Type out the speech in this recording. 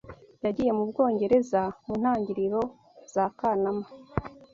Yagiye mu Bwongereza mu ntangiriro za Kanama.